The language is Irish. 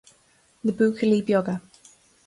Na buachaillí beaga